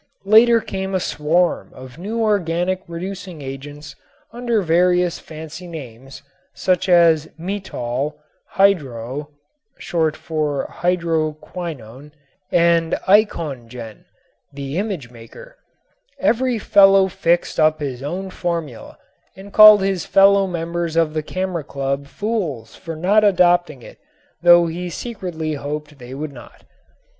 Later came a swarm of new organic reducing agents under various fancy names, such as metol, hydro (short for hydro quinone) and eikongen ("the image maker"). Every fellow fixed up his own formula and called his fellow members of the camera club fools for not adopting it though he secretly hoped they would not.